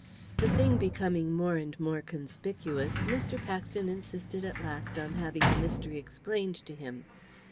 The thing becoming more and more conspicuous, Mr. Paxton insisted at last on having the mystery explained to him.